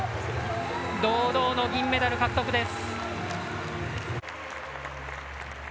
堂々の銀メダル獲得です。